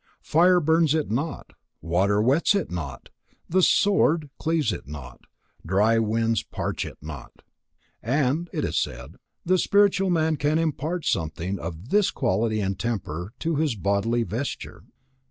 Fire burns it not, water wets it not, the sword cleaves it not, dry winds parch it not. And, it is said, the spiritual man can impart something of this quality and temper to his bodily vesture.